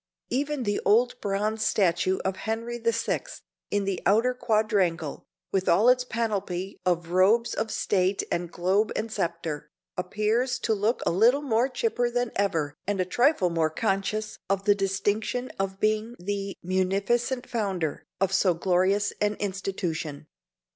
Even the old bronze statue of Henry VI. in the outer quadrangle, with all its panoply of robes of state and globe and sceptre, appears to look a little more chipper than ever and a trifle more conscious of the distinction of being the "munificent founder" of so glorious an institution.